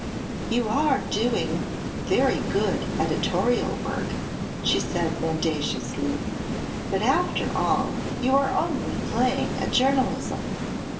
"You are doing very good editorial work," she said mendaciously, "but, after all, you are only playing at journalism.